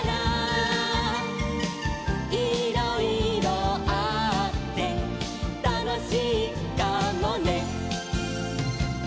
「いろいろあってたのしいかもね」